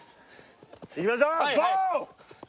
いきましょうゴー！